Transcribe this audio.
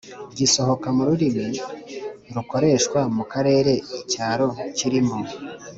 gisohoka mu rurimi rukoreshwa mu karere icyicaro kirimo